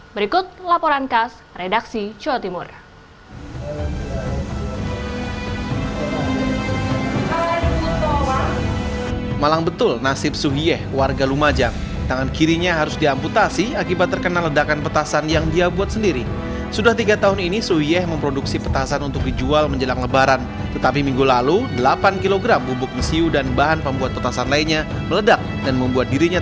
berikut laporan khas redaksi jawa timur